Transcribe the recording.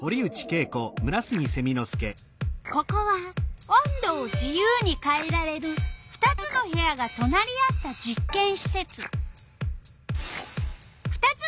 ここは温度を自由にかえられる２つの部屋がとなり合った実けんしせつ。